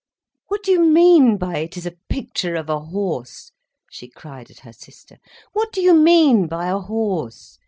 "What do you mean by 'it is a picture of a horse?'" she cried at her sister. "What do you mean by a horse?